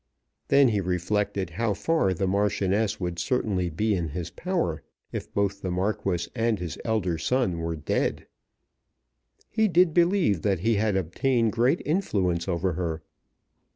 Then he reflected how far the Marchioness would certainly be in his power, if both the Marquis and his eldest son were dead. He did believe that he had obtained great influence over her.